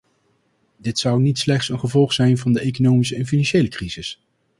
Dit zou niet slechts een gevolg zijn van de economische en financiële crisis.